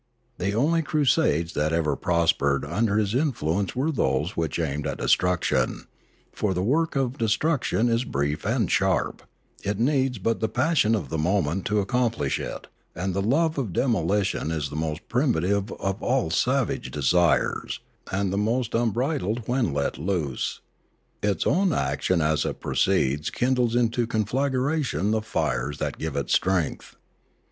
The only crusades that ever prospered under his in fluence were those which aimed at destruction; for the work of destruction is brief and sharp; it needs but the passion of the moment to accomplish it; and the love of demolition is the most primitive of all savage de sires, and the most unbridled when let loose; its own action as it proceeds kindles into a conflagration the fires that give it strength.